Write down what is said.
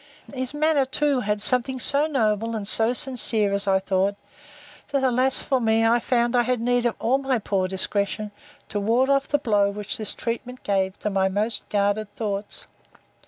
His manner too had something so noble, and so sincere, as I thought, that, alas for me! I found I had need of all my poor discretion, to ward off the blow which this treatment gave to my most guarded thoughts.